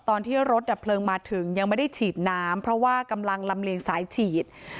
ตอนที่รถดับเพลิงมาถึงยังไม่ได้ฉีดน้ำเพราะว่ากำลังลำเลียงสายฉีด